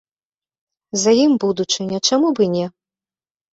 За ім будучыня, чаму б і не!